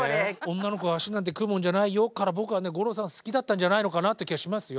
「女の子は足なんて組むもんじゃないよ」から僕はね五郎さんは好きだったんじゃないのかなって気がしますよ。